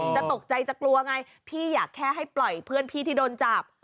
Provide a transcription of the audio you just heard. จะตกใจจะกลัวไงพี่อยากแค่ให้ปล่อยเพื่อนพี่ที่โดนจับ